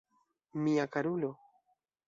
Mia karulo!